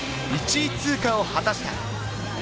１位通過を果たした。